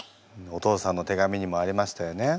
お父さんの手紙にもありましたよね。